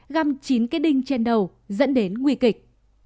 găm chín kết đinh trên đầu dẫn đến nguy kịch